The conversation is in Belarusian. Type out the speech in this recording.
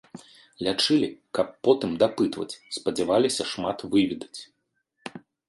Лячылі, каб потым дапытваць, спадзяваліся шмат выведаць.